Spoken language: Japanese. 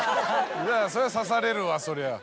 そりゃ指されるわそりゃ。